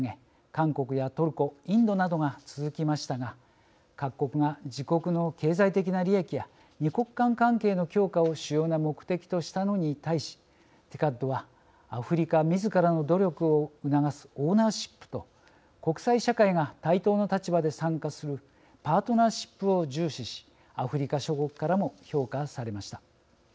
韓国やトルコインドなどが続きましたが各国が自国の経済的な利益や二国間関係の強化を主要な目的としたのに対しＴＩＣＡＤはアフリカみずからの努力を促すオーナーシップと国際社会が対等の立場で参加するパートナーシップを重視しアフリカ諸国からも評価されました。